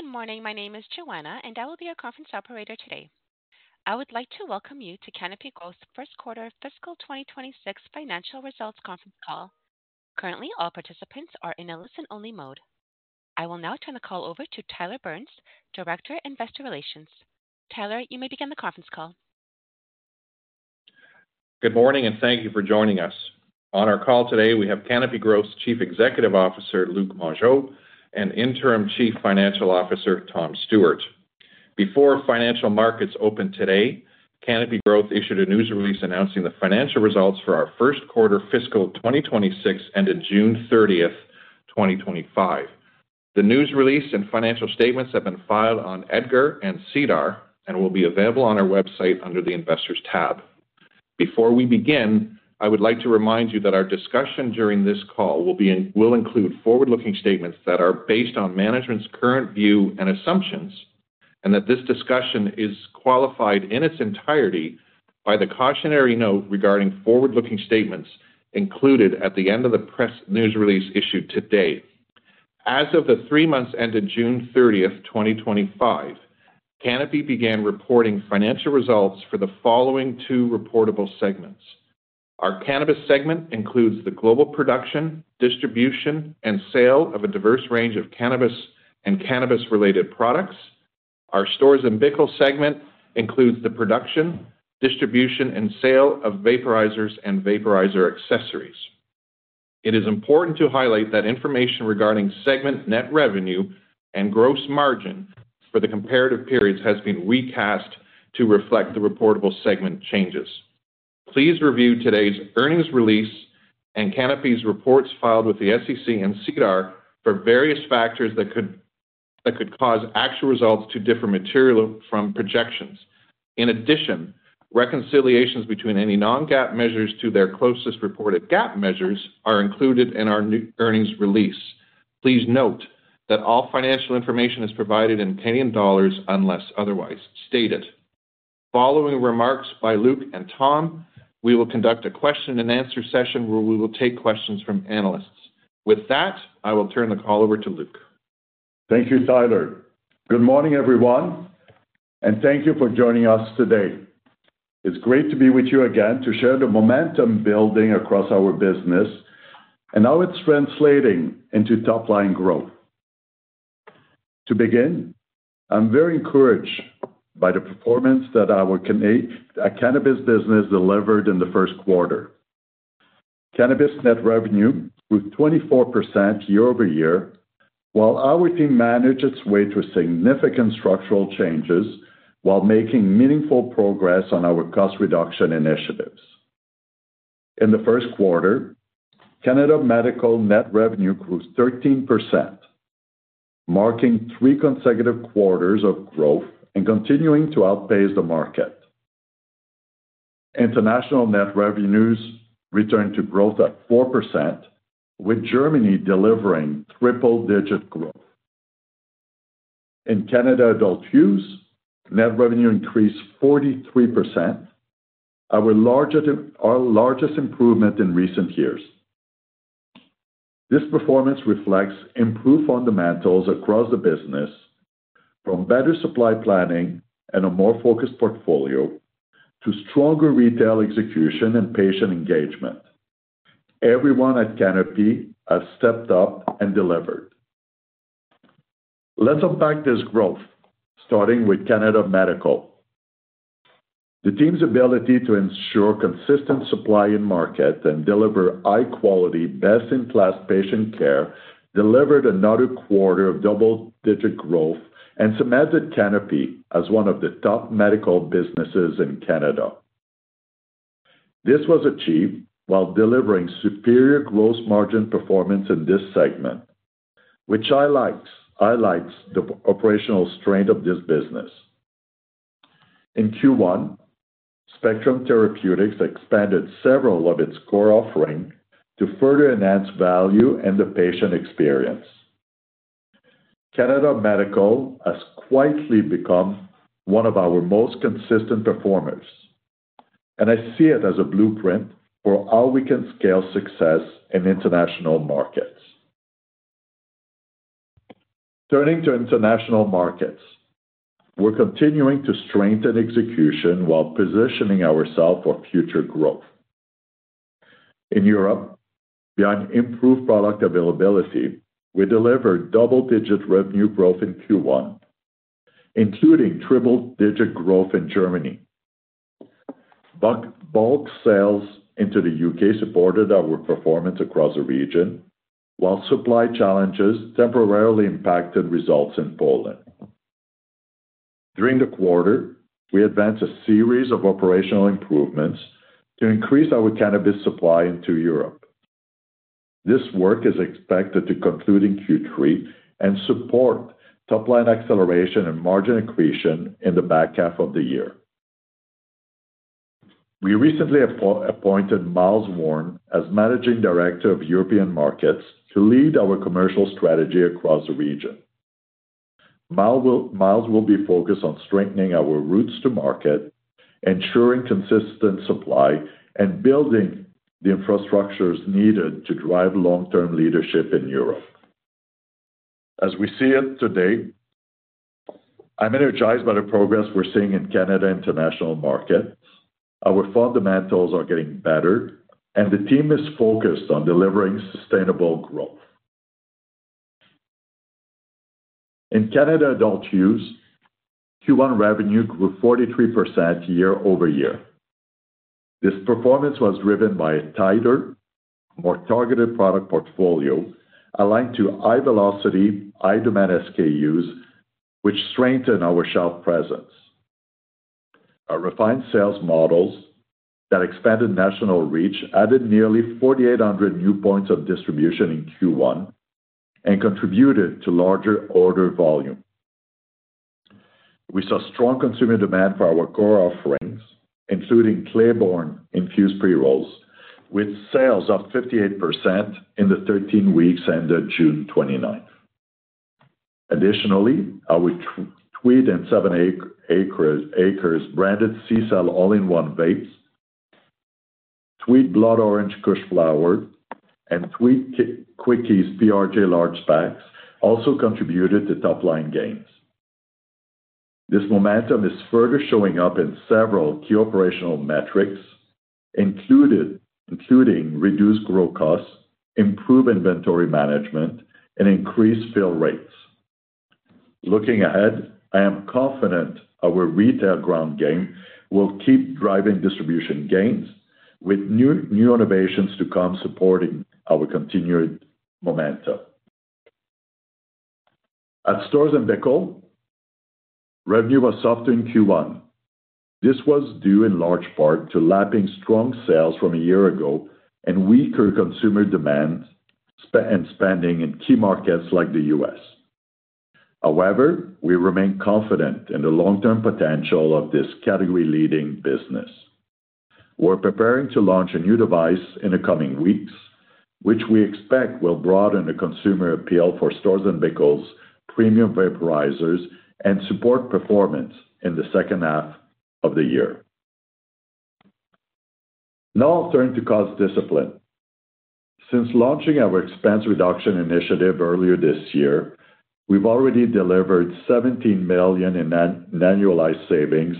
Good morning. My name is Joanna, and I will be your conference operator today. I would like to welcome you to Canopy Growth's First Quarter Fiscal 2026 Financial Results Conference Call. Currently, all participants are in a listen-only mode. I will now turn the call over to Tyler Burns, Director of Investor Relations. Tyler, you may begin the conference call. Good morning, and thank you for joining us. On our call today, we have Canopy Growth's Chief Executive Officer, Luc Mongeau, and Interim Chief Financial Officer, Tom Stewart. Before financial markets open today, Canopy Growth issued a news release announcing the financial results for our first quarter fiscal 2026 ending June 30th, 2025. The news release and financial statements have been filed on EDGAR and SEDAR and will be available on our website under the investors tab. Before we begin, I would like to remind you that our discussion during this call will include forward-looking statements that are based on management's current view and assumptions, and that this discussion is qualified in its entirety by the cautionary note regarding forward-looking statements included at the end of the press news release issued today. As of the three months ended June 30th, 2025, Canopy began reporting financial results for the following two reportable segments. Our cannabis segment includes the global production, distribution, and sale of a diverse range of cannabis and cannabis-related products. Our Storz & Bickel segment includes the production, distribution, and sale of vaporizers and vaporizer accessories. It is important to highlight that information regarding segment net revenue and gross margin for the comparative periods has been recast to reflect the reportable segment changes. Please review today's earnings release and Canopy's reports filed with the SEC and SEDAR for various factors that could cause actual results to differ materially from projections. In addition, reconciliations between any non-GAAP measures to their closest reported GAAP measures are included in our earnings release. Please note that all financial information is provided in Canadian dollars unless otherwise stated. Following remarks by Luc and Tom, we will conduct a question and answer session where we will take questions from analysts. With that, I will turn the call over to Luc. Thank you, Tyler. Good morning, everyone, and thank you for joining us today. It's great to be with you again to share the momentum building across our business and how it's translating into top-line growth. To begin, I'm very encouraged by the performance that our cannabis business delivered in the first quarter. Cannabis net revenue grew 24% year-over-year, while our team managed its way through significant structural changes while making meaningful progress on our cost reduction initiatives. In the first quarter, Canada Medical net revenue grew 13%, marking three consecutive quarters of growth and continuing to outpace the market. International net revenues returned to growth at 4%, with Germany delivering triple-digit growth. In Canada adult use, net revenue increased 43%, our largest improvement in recent years. This performance reflects improved fundamentals across the business, from better supply planning and a more focused portfolio to stronger retail execution and patient engagement. Everyone at Canopy has stepped up and delivered. Let's unpack this growth, starting with Canada Medical. The team's ability to ensure consistent supply in market and deliver high-quality, best-in-class patient care delivered another quarter of double-digit growth and cemented Canopy as one of the top medical businesses in Canada. This was achieved while delivering superior gross margin performance in this segment, which highlights the operational strength of this business. In Q1, Spectrum Therapeutics expanded several of its core offerings to further enhance value and the patient experience. Canada Medical has quietly become one of our most consistent performers, and I see it as a blueprint for how we can scale success in international markets. Turning to international markets, we're continuing to strengthen execution while positioning ourselves for future growth. In Europe, beyond improved product availability, we delivered double-digit revenue growth in Q1, including triple-digit growth in Germany. Bulk sales into the U.K. supported our performance across the region, while supply challenges temporarily impacted results in Poland. During the quarter, we advanced a series of operational improvements to increase our cannabis supply into Europe. This work is expected to conclude in Q3 and support top-line acceleration and margin accretion in the back half of the year. We recently appointed Miles Worne as Managing Director of European Markets to lead our commercial strategy across the region. Miles will be focused on strengthening our routes to market, ensuring consistent supply, and building the infrastructures needed to drive long-term leadership in Europe. As we see it today, I'm energized by the progress we're seeing in Canada international markets. Our fundamentals are getting better, and the team is focused on delivering sustainable growth. In Canada adult use, Q1 revenue grew 43% year-over-year. This performance was driven by a tighter, more targeted product portfolio aligned to high-velocity, high-demand SKUs, which strengthened our shelf presence. Our refined sales models that expanded national reach added nearly 4,800 new points of distribution in Q1 and contributed to larger order volume. We saw strong consumer demand for our core offerings, including Claybourne-infused pre-rolls, with sales up 58% in the 13 weeks ended June 29. Additionally, our Tweed and 7ACRES branded CCELL all-in-one vapes, Tweed Blood Orange Kush flower, and Tweed Quickies PRJ large packs also contributed to top-line gains. This momentum is further showing up in several key operational metrics, including reduced growth costs, improved inventory management, and increased fill rates. Looking ahead, I am confident our retail ground game will keep driving distribution gains with new innovations to come supporting our continued momentum. At Storz & Bickel, revenue was softer in Q1. This was due in large part to lapping strong sales from a year ago and weaker consumer demand and spending in key markets like the U.S. However, we remain confident in the long-term potential of this category-leading business. We're preparing to launch a new device in the coming weeks, which we expect will broaden the consumer appeal for Storz & Bickel's premium vaporizers and support performance in the second half of the year. Now I'll turn to cost discipline. Since launching our expense reduction initiative earlier this year, we've already delivered $17 million in annualized savings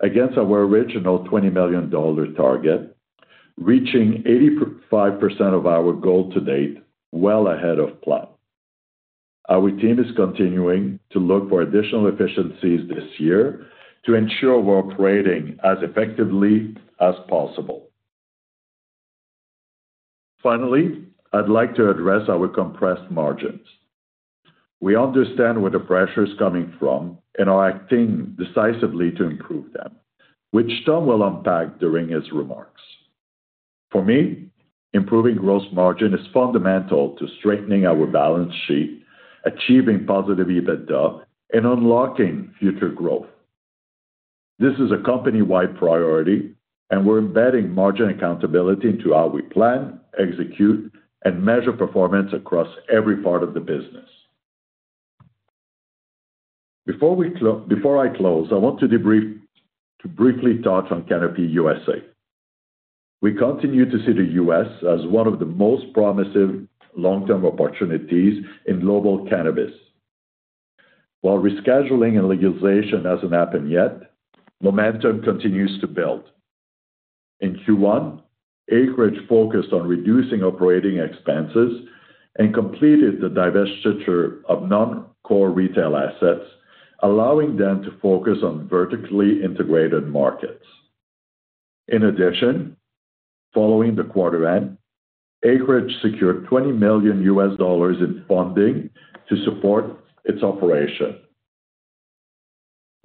against our original $20 million target, reaching 85% of our goal to date, well ahead of plan. Our team is continuing to look for additional efficiencies this year to ensure we're operating as effectively as possible. Finally, I'd like to address our compressed margins. We understand where the pressure is coming from and are acting decisively to improve them, which Tom will unpack during his remarks. For me, improving gross margin is fundamental to strengthening our balance sheet, achieving positive EBITDA, and unlocking future growth. This is a company-wide priority, and we're embedding margin accountability into how we plan, execute, and measure performance across every part of the business. Before I close, I want to briefly touch on Canopy U.S.A. We continue to see the U.S. as one of the most promising long-term opportunities in global cannabis. While rescheduling and legalization hasn't happened yet, momentum continues to build. In Q1, Acreage focused on reducing operating expenses and completed the divestiture of non-core retail assets, allowing them to focus on vertically integrated markets. In addition, following the quarter end, Acreage secured $20 million in funding to support its operation.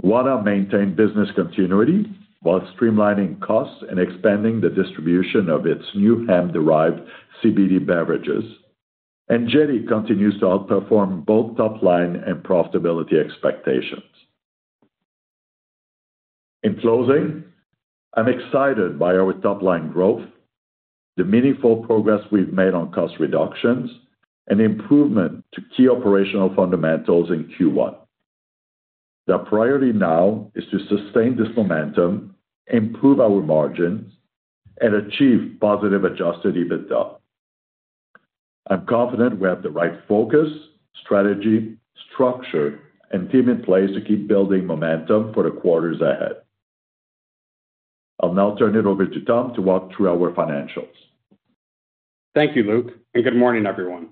Wana maintained business continuity while streamlining costs and expanding the distribution of its new hemp-derived CBD beverages, and Jetty continues to outperform both top-line and profitability expectations. In closing, I'm excited by our top-line growth, the meaningful progress we've made on cost reductions, and the improvement to key operational fundamentals in Q1. The priority now is to sustain this momentum, improve our margins, and achieve positive adjusted EBITDA. I'm confident we have the right focus, strategy, structure, and team in place to keep building momentum for the quarters ahead. I'll now turn it over to Tom to walk through our financials. Thank you, Luc, and good morning, everyone.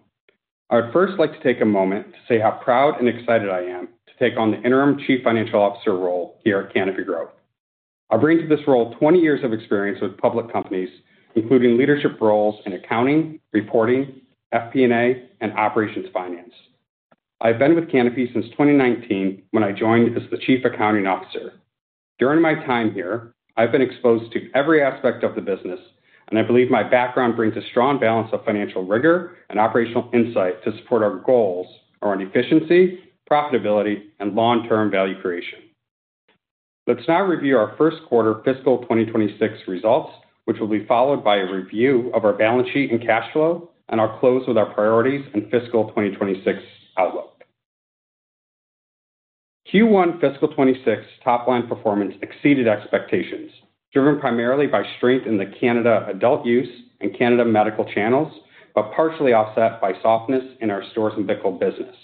I would first like to take a moment to say how proud and excited I am to take on the Interim Chief Financial Officer role here at Canopy Growth. I bring to this role 20 years of experience with public companies, including leadership roles in accounting, reporting, FP&A, and operations finance. I've been with Canopy since 2019, when I joined as the Chief Accounting Officer. During my time here, I've been exposed to every aspect of the business, and I believe my background brings a strong balance of financial rigor and operational insight to support our goals around efficiency, profitability, and long-term value creation. Let's now review our first quarter fiscal 2026 results, which will be followed by a review of our balance sheet and cash flow, and I'll close with our priorities and fiscal 2026 outlook. Q1 fiscal 2026 top-line performance exceeded expectations, driven primarily by strength in the Canada adult-use and Canada Medical channels, but partially offset by softness in our Storz & Bickel business.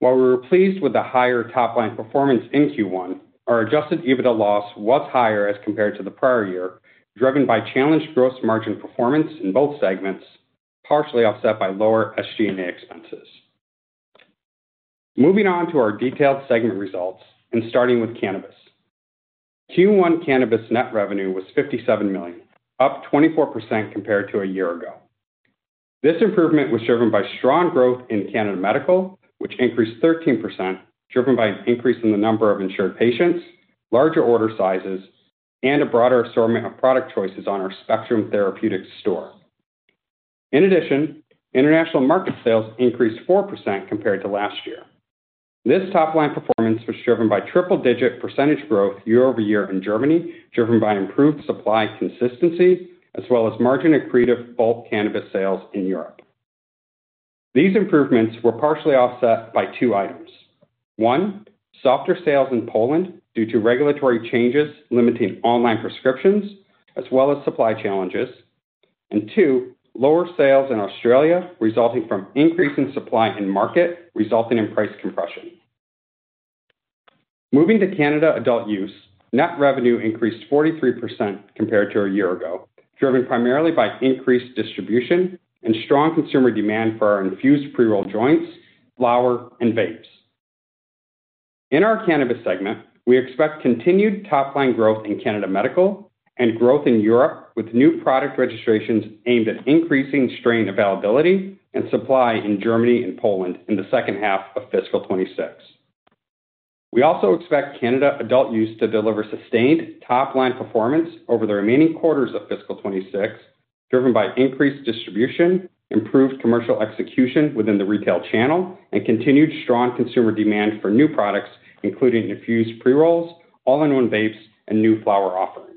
While we were pleased with the higher top-line performance in Q1, our adjusted EBITDA loss was higher as compared to the prior year, driven by challenged gross margin performance in both segments, partially offset by lower SG&A expenses. Moving on to our detailed segment results and starting with cannabis. Q1 cannabis net revenue was $57 million, up 24% compared to a year ago. This improvement was driven by strong growth in Canada Medical, which increased 13%, driven by an increase in the number of insured patients, larger order sizes, and a broader assortment of product choices on our Spectrum Therapeutics store. In addition, international market sales increased 4% compared to last year. This top-line performance was driven by triple-digit growth year-over-year in Germany, driven by improved supply consistency, as well as margin accretive bulk cannabis sales in Europe. These improvements were partially offset by two items: one, softer sales in Poland due to regulatory changes limiting online prescriptions, as well as supply challenges; and two, lower sales in Australia, resulting from increasing supply in market, resulting in price compression. Moving to Canada adult use, net revenue increased 43% compared to a year ago, driven primarily by increased distribution and strong consumer demand for our infused pre-roll joints, flower, and vapes. In our cannabis segment, we expect continued top-line growth in Canada Medical and growth in Europe, with new product registrations aimed at increasing strain availability and supply in Germany and Poland in the second half of fiscal 2026. We also expect Canada adult use to deliver sustained top-line performance over the remaining quarters of fiscal 2026, driven by increased distribution, improved commercial execution within the retail channel, and continued strong consumer demand for new products, including infused pre-rolls, all-in-one vapes, and new flower offerings.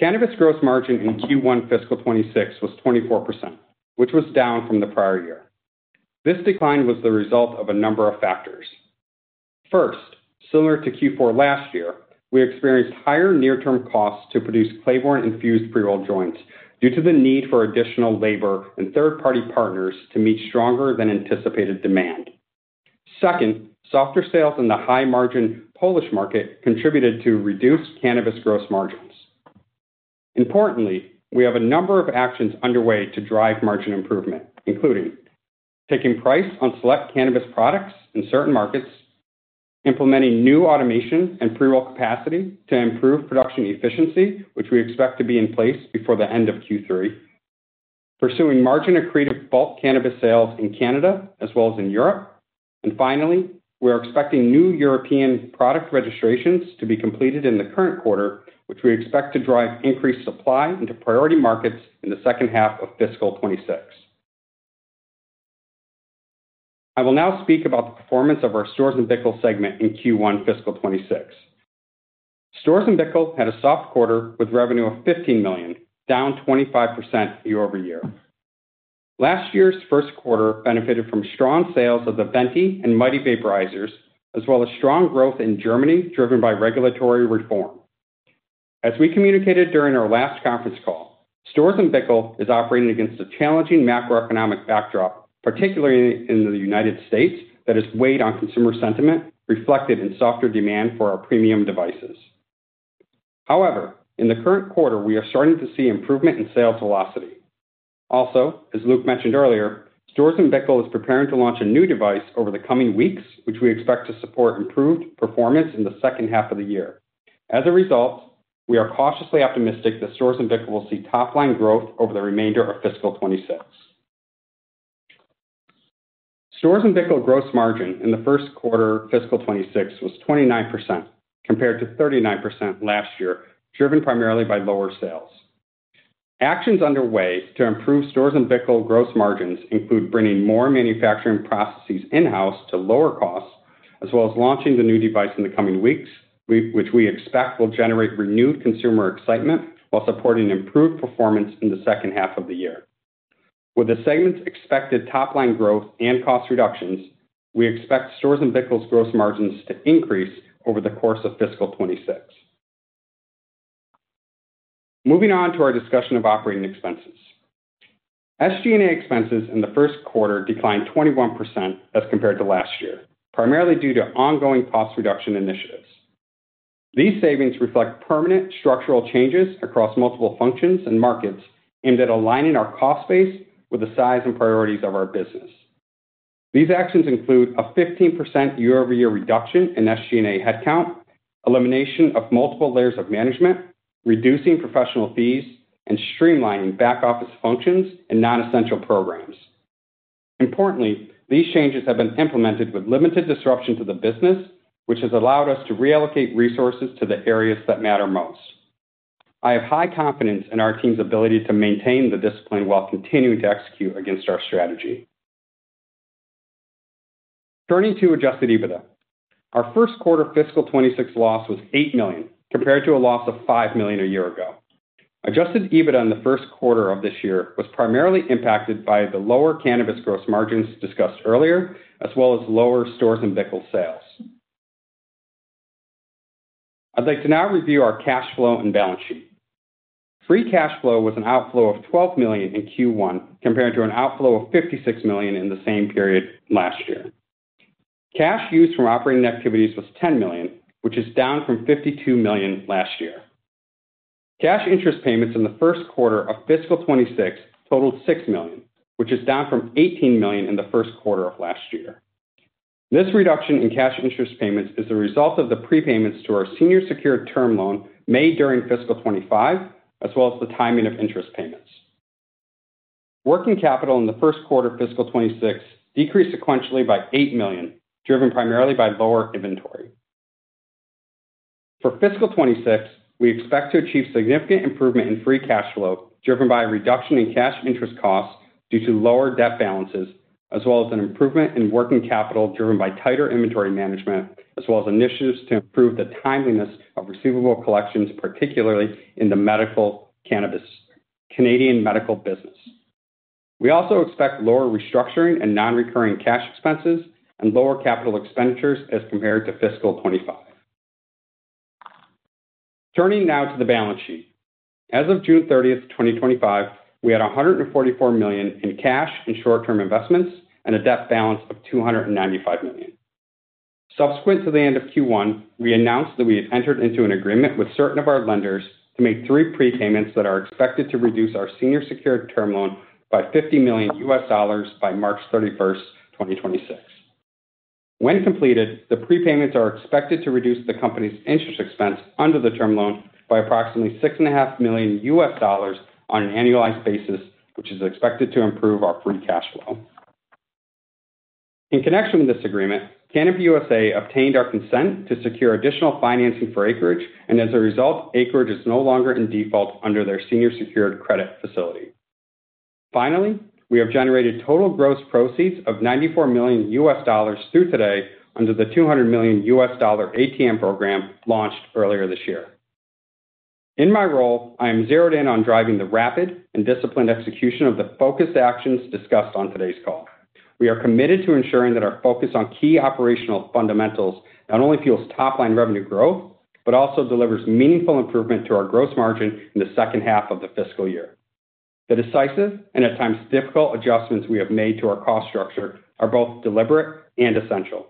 Cannabis gross margin in Q1 fiscal 2026 was 24%, which was down from the prior year. This decline was the result of a number of factors. First, similar to Q4 last year, we experienced higher near-term costs to produce Claybourne-infused pre-roll joints due to the need for additional labor and third-party partners to meet stronger than anticipated demand. Second, softer sales in the high-margin Polish market contributed to reduced cannabis gross margins. Importantly, we have a number of actions underway to drive margin improvement, including taking price on select cannabis products in certain markets, implementing new automation and pre-roll capacity to improve production efficiency, which we expect to be in place before the end of Q3, pursuing margin accretive bulk cannabis sales in Canada as well as in Europe, and finally, we are expecting new European product registrations to be completed in the current quarter, which we expect to drive increased supply into priority markets in the second half of fiscal 2026. I will now speak about the performance of our Storz & Bickel segment in Q1 fiscal 2026. Storz & Bickel had a soft quarter with revenue of $15 million, down 25% year-over-year. Last year's first quarter benefited from strong sales of the Plenty and Mighty vaporizers, as well as strong growth in Germany, driven by regulatory reform. As we communicated during our last conference call, Storz & Bickel is operating against a challenging macroeconomic backdrop, particularly in the United States, that has weighed on consumer sentiment, reflected in softer demand for our premium devices. However, in the current quarter, we are starting to see improvement in sales velocity. Also, as Luc mentioned earlier, Storz & Bickel is preparing to launch a new device over the coming weeks, which we expect to support improved performance in the second half of the year. As a result, we are cautiously optimistic that Storz & Bickel will see top-line growth over the remainder of fiscal 2026. Storz & Bickel gross margin in the first quarter fiscal 2026 was 29% compared to 39% last year, driven primarily by lower sales. Actions underway to improve Storz & Bickel gross margins include bringing more manufacturing processes in-house to lower costs, as well as launching the new device in the coming weeks, which we expect will generate renewed consumer excitement while supporting improved performance in the second half of the year. With the segment's expected top-line growth and cost reductions, we expect Storz & Bickel's gross margins to increase over the course of fiscal 2026. Moving on to our discussion of operating expenses. SG&A expenses in the first quarter declined 21% as compared to last year, primarily due to ongoing cost reduction initiatives. These savings reflect permanent structural changes across multiple functions and markets aimed at aligning our cost base with the size and priorities of our business. These actions include a 15% year-over-year reduction in SG&A headcount, elimination of multiple layers of management, reducing professional fees, and streamlining back-office functions and non-essential programs. Importantly, these changes have been implemented with limited disruption to the business, which has allowed us to reallocate resources to the areas that matter most. I have high confidence in our team's ability to maintain the discipline while continuing to execute against our strategy. Turning to adjusted EBITDA, our first quarter fiscal 2026 loss was $8 million compared to a loss of $5 million a year ago. Adjusted EBITDA in the first quarter of this year was primarily impacted by the lower cannabis gross margins discussed earlier, as well as lower Storz & Bickel sales. I'd like to now review our cash flow and balance sheet. Free cash flow was an outflow of $12 million in Q1 compared to an outflow of $56 million in the same period last year. Cash used from operating activities was $10 million, which is down from $52 million last year. Cash interest payments in the first quarter of fiscal 2026 totaled $6 million, which is down from $18 million in the first quarter of last year. This reduction in cash interest payments is the result of the prepayments to our senior secured term loan made during fiscal 2025, as well as the timing of interest payments. Working capital in the first quarter of fiscal 2026 decreased sequentially by $8 million, driven primarily by lower inventory. For fiscal 2026, we expect to achieve significant improvement in free cash flow, driven by a reduction in cash interest costs due to lower debt balances, as well as an improvement in working capital driven by tighter inventory management, as well as initiatives to improve the timeliness of receivable collections, particularly in the medical cannabis, Canadian Medical business. We also expect lower restructuring and non-recurring cash expenses and lower capital expenditures as compared to fiscal 2025. Turning now to the balance sheet. As of June 30th, 2025, we had $144 million in cash and short-term investments and a debt balance of $295 million. Subsequent to the end of Q1, we announced that we had entered into an agreement with certain of our lenders to make three prepayments that are expected to reduce our senior secured term loan by $50 million by March 31st, 2026. When completed, the prepayments are expected to reduce the company's interest expense under the term loan by approximately $6.5 million on an annualized basis, which is expected to improve our free cash flow. In connection with this agreement, Canopy U.S.A. obtained our consent to secure additional financing for Acreage, and as a result, Acreage is no longer in default under their senior secured credit facility. Finally, we have generated total gross proceeds of $94 million through today under the $200 million ATM program launched earlier this year. In my role, I am zeroed in on driving the rapid and disciplined execution of the focused actions discussed on today's call. We are committed to ensuring that our focus on key operational fundamentals not only fuels top-line revenue growth, but also delivers meaningful improvement to our gross margin in the second half of the fiscal year. The decisive and at times difficult adjustments we have made to our cost structure are both deliberate and essential.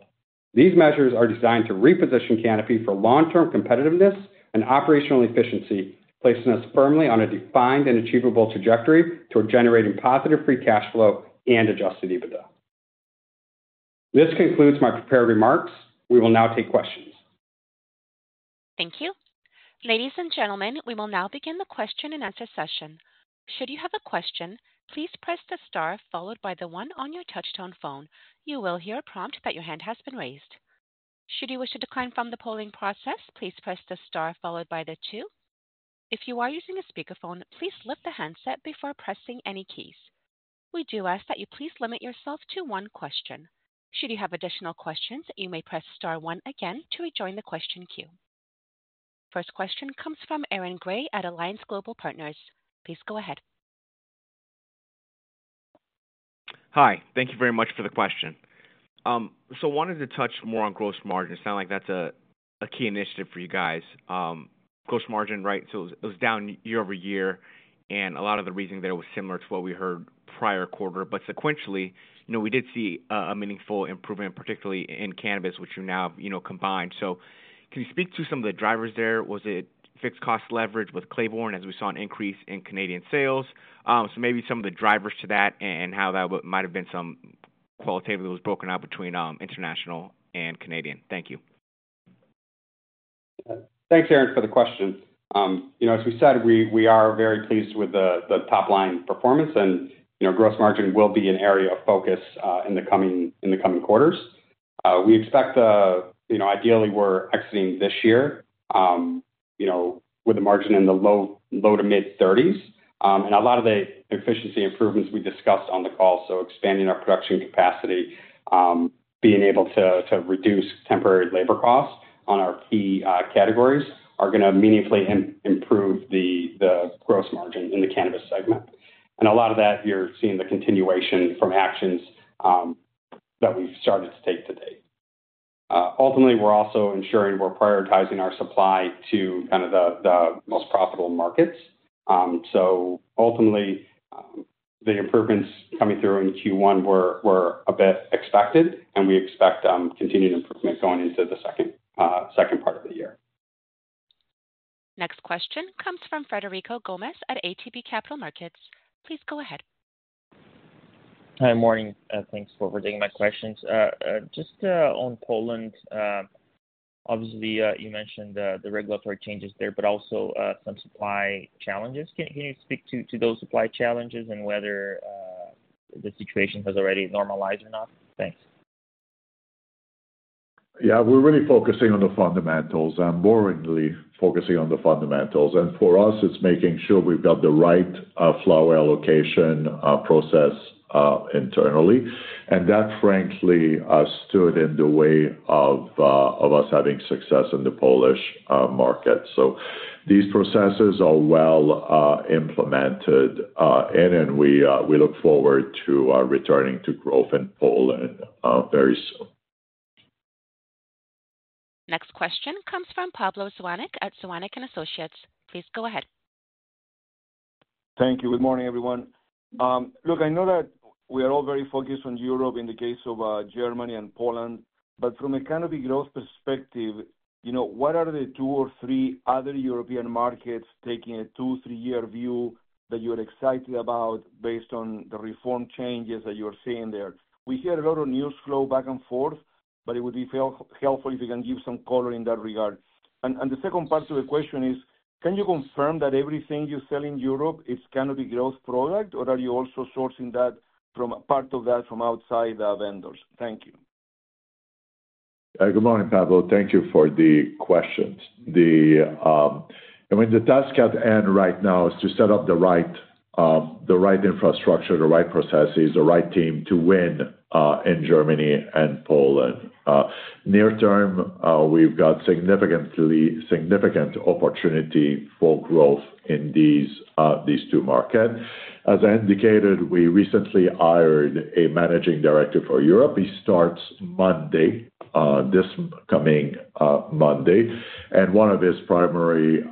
These measures are designed to reposition Canopy Growth for long-term competitiveness and operational efficiency, placing us firmly on a defined and achievable trajectory toward generating positive free cash flow and adjusted EBITDA. This concludes my prepared remarks. We will now take questions. Thank you. Ladies and gentlemen, we will now begin the question and answer session. Should you have a question, please press the star followed by the one on your touch-tone phone. You will hear a prompt that your hand has been raised. Should you wish to decline from the polling process, please press the star followed by the two. If you are using a speakerphone, please lift the handset before pressing any keys. We do ask that you please limit yourself to one question. Should you have additional questions, you may press star one again to rejoin the question queue. First question comes from Aaron Grey at Alliance Global Partners. Please go ahead. Hi. Thank you very much for the question. I wanted to touch more on gross margins. It sounds like that's a key initiative for you guys. Gross margin, right? It was down year-over-year, and a lot of the reasoning there was similar to what we heard prior quarter. Sequentially, we did see a meaningful improvement, particularly in cannabis, which you now have combined. Can you speak to some of the drivers there? Was it fixed cost leverage with Claybourne as we saw an increase in Canadian sales? Maybe some of the drivers to that and how that might have been some qualitative that was broken out between international and Canadian. Thank you. Thanks, Aaron, for the question. As we said, we are very pleased with the top-line performance, and gross margin will be an area of focus in the coming quarters. We expect that, ideally, we're exiting this year with the margin in the low- to mid-30%. A lot of the efficiency improvements we discussed on the call, expanding our production capacity and being able to reduce temporary labor costs on our key categories, are going to meaningfully improve the gross margin in the cannabis segment. A lot of that is the continuation from actions that we've started to take today. Ultimately, we're also ensuring we're prioritizing our supply to the most profitable markets. The improvements coming through in Q1 were a bit expected, and we expect continued improvement going into the second part of the year. Next question comes from Frederico Gomez at ATB Capital Markets. Please go ahead. Hi, morning. Thanks for overtaking my questions. Just on Poland, obviously, you mentioned the regulatory changes there, but also some supply challenges. Can you speak to those supply challenges and whether the situation has already normalized or not? Thanks. Yeah, we're really focusing on the fundamentals, and more importantly, focusing on the fundamentals. For us, it's making sure we've got the right flower allocation process internally. That, frankly, stood in the way of us having success in the Polish market. These processes are well implemented, and we look forward to returning to growth in Poland very soon. Next question comes from Pablo Zuanic at Zuanic & Associates. Please go ahead. Thank you. Good morning, everyone. I know that we are all very focused on Europe in the case of Germany and Poland, but from a kind of a growth perspective, what are the two or three other European markets taking a two, three-year view that you are excited about based on the reform changes that you are seeing there? We hear a lot of news flow back and forth, but it would be helpful if you can give some color in that regard. The second part of the question is, can you confirm that everything you sell in Europe, it's kind of a growth product, or are you also sourcing that from part of that from outside vendors? Thank you. Good morning, Pablo. Thank you for the questions. The task at hand right now is to set up the right infrastructure, the right processes, the right team to win in Germany and Poland. Near-term, we've got significant opportunity for growth in these two markets. As I indicated, we recently hired a managing director for Europe. He starts Monday, this coming Monday, and one of his primary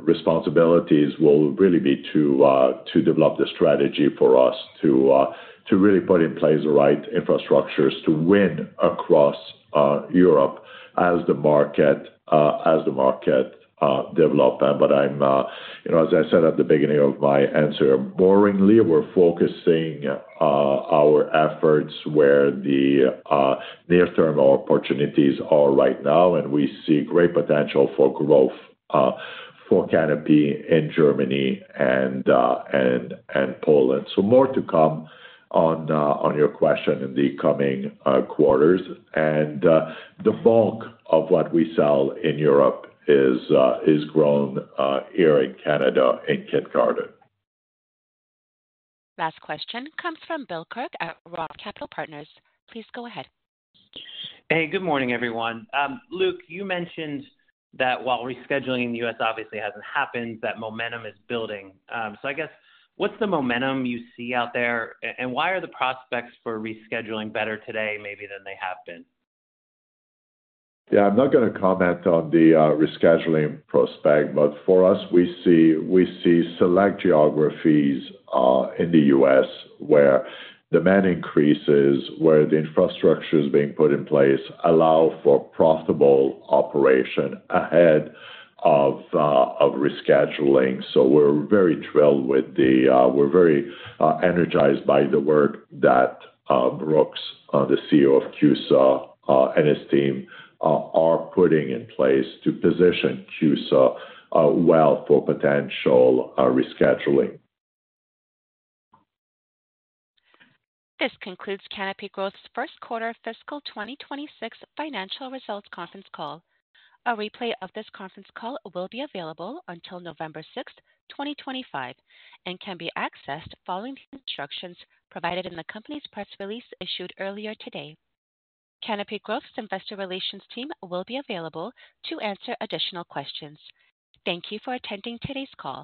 responsibilities will really be to develop the strategy for us to really put in place the right infrastructures to win across Europe as the market develops. As I said at the beginning of my answer, more importantly, we're focusing our efforts where the near-term opportunities are right now, and we see great potential for growth for Canopy in Germany and Poland. More to come on your question in the coming quarters. The bulk of what we sell in Europe is grown here in Canada in kindgarten. Last question comes from Bill Kirk at ROTH Capital Partners. Please go ahead. Hey, good morning, everyone. Luc, you mentioned that while rescheduling in the U.S. obviously hasn't happened, that momentum is building. I guess, what's the momentum you see out there, and why are the prospects for rescheduling better today maybe than they have been? I'm not going to comment on the rescheduling prospect, but for us, we see select geographies in the U.S. where demand increases, where the infrastructure being put in place allows for profitable operation ahead of rescheduling. We're very thrilled with the, we're very energized by the work that Brooks, the CEO of CUSA, and his team are putting in place to position CUSA well for potential rescheduling. This concludes Canopy Growth's First Quarter Fiscal 2026 Financial Results Conference Call. A replay of this conference call will be available until November 6th, 2025, and can be accessed following the instructions provided in the company's press release issued earlier today. Canopy Growth's investor relations team will be available to answer additional questions. Thank you for attending today's call.